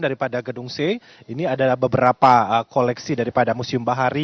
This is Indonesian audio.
daripada gedung c ini adalah beberapa koleksi daripada museum bahari